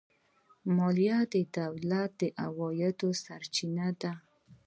مالیه د دولت د عوایدو سرچینه ده.